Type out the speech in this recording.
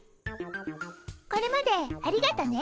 これまでありがとね。